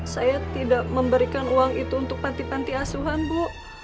saya tidak memberikan uang itu untuk panti panti asuhan bu